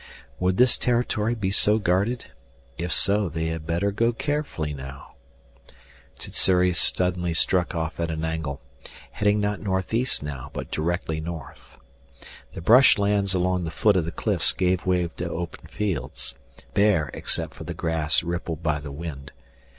Would this territory be so guarded? If so they had better go carefully now Sssuri suddenly struck off at an angle, heading not northeast now, but directly north. The brush lands along the foot of the cliffs gave way to open fields, bare except for the grass rippled by the wind.